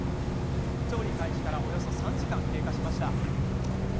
調理開始からおよそ３時間が経過しました。